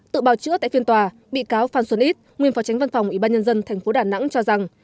tự bào chữa tại phiên tòa bị cáo phan xuân ít nguyên phó tránh văn phòng ủy ban nhân dân tp đà nẵng cho rằng